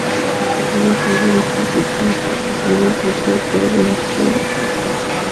Los hermanos Ridley Scott y Tony Scott asumieron como productores ejecutivos de la película.